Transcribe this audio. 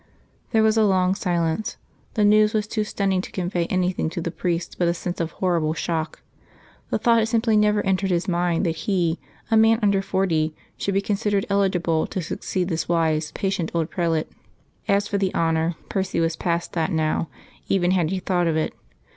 There was a long silence. The news was too stunning to convey anything to the priest but a sense of horrible shock. The thought had simply never entered his mind that he, a man under forty, should be considered eligible to succeed this wise, patient old prelate. As for the honour Percy was past that now, even had he thought of it.